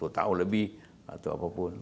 sepuluh tahun lebih atau apapun